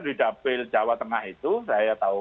di dapil jawa tengah itu saya tahu